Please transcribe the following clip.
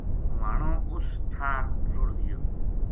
ہوانو اُس ٹھار رُڑ ھ گیو